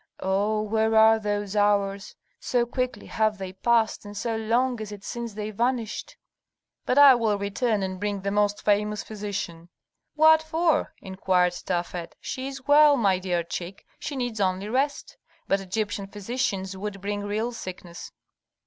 "Oh, where are those hours! So quickly have they passed, and so long is it since they vanished." "But I will return and bring the most famous physician." "What for?" inquired Tafet. "She is well, my dear chick she needs only rest. But Egyptian physicians would bring real sickness."